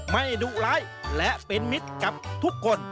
ดุร้ายและเป็นมิตรกับทุกคน